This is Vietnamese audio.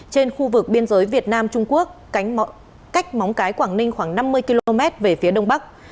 trên khu vực biên giới việt nam trung quốc cách móng cái quảng ninh khoảng năm mươi km về phía đông bắc